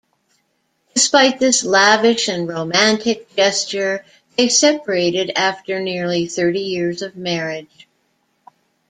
Despite this lavish and romantic gesture they separated after nearly thirty years of marriage.